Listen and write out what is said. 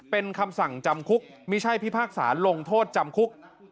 เป็นคำสั่งจำคุกไม่ใช่พิพากษาลงโทษจำคุก